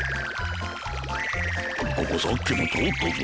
ここさっきもとおったぞ。